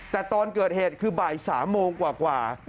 แต่ตอนเกิดเหตุคือบ่าย๓โมงกว่า